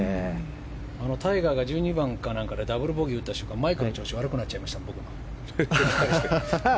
タイガーが１２番か何かでダブルボギーを打った瞬間にマイクの調子が悪くなっちゃいましたもん。